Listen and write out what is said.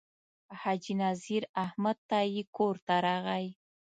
حاجي نذیر احمد تائي کور ته راغی.